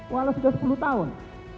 walau sudah sepuluh tahun